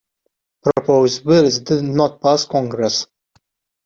Proposed bills did not pass Congress.